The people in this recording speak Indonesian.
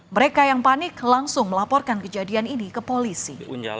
mereka yang panik langsung melaporkan kejadian ini ke polisi